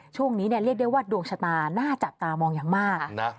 ช่วงนี้เรียกได้ว่าดวงชะตาน่าจับตามองอย่างมาก